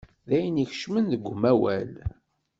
Dayen ikcem deg umawal.